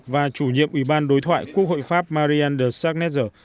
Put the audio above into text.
và chủ nhiệm ủy ban đối thoại quốc hội pháp marianne de sargneser